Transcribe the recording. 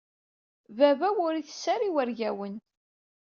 Baba-w ur itess ara iwergawen.